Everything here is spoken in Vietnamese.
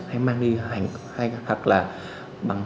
hay mang đi hành